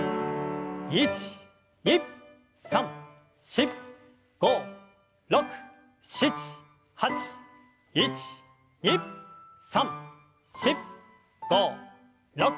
１２３４５６７８１２３４５６。